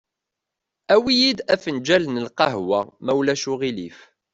Awi-yi-d afenǧal n lqehwa, ma ulac aɣilif.